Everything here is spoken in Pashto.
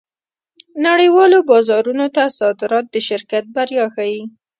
نړۍوالو بازارونو ته صادرات د شرکت بریا ښيي.